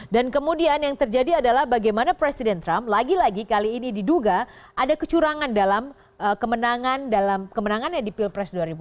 dan kemudian yang terjadi adalah bagaimana presiden trump lagi lagi kali ini diduga ada kecurangan dalam kemenangan di pilpres dua ribu enam belas